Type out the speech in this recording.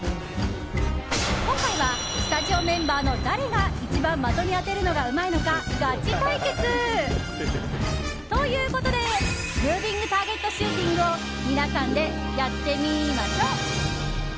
今回は、スタジオメンバーの誰が一番、的に当てるのがうまいのかガチ対決！ということでムービングターゲットシューティングを皆さんで、やってみーましょ！